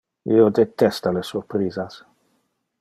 Io detesta le surprisas.